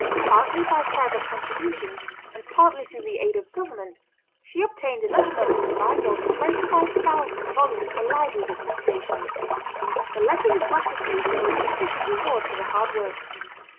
Partly by private contributions and partly through the aid of government, she obtained enough money to buy more than twenty five thousand volumes for libraries at these stations. The letters of gratitude were a sufficient reward for the hard work.